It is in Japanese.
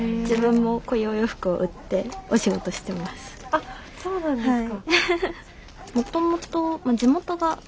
あっそうなんですか。